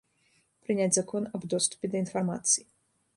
Прыняць закон аб доступе да інфармацыі.